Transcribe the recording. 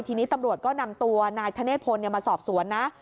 ทีนี้ตำรวจก็นำตัวนายธเนธพลมาสอบสวนนะ